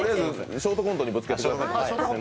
ショートコントにぶつけてください。